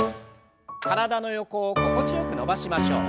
体の横を心地よく伸ばしましょう。